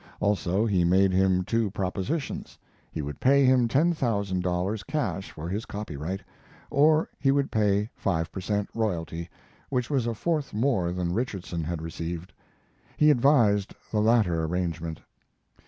Also, he made him two propositions: he would pay him ten thousand dollars cash for his copyright, or he would pay five per cent. royalty, which was a fourth more than Richardson had received. He advised the latter arrangement.